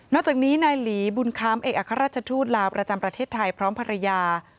จากนี้นายหลีบุญค้ำเอกอัครราชทูตลาวประจำประเทศไทยพร้อมภรรยา